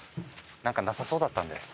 なんかなさそうだったんで。